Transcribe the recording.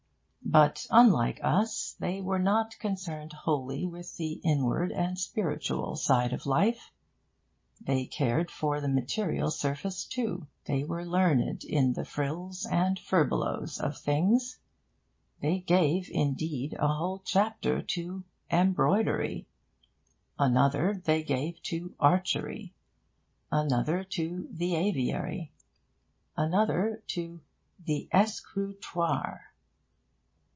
But, unlike us, they were not concerned wholly with the inward and spiritual side of life. They cared for the material surface, too. They were learned in the frills and furbelows of things. They gave, indeed, a whole chapter to 'Embroidery.' Another they gave to 'Archery,' another to 'The Aviary,' another to 'The Escrutoire.'